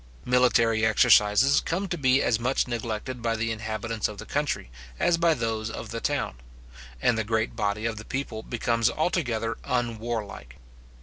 Military exercises come to be as much neglected by the inhabitants of the country as by those of the town, and the great body of the people becomes altogether unwarlike.